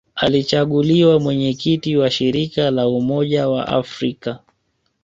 Alichaguliwa Mwenyekiti wa Shirika la Umoja wa Afrika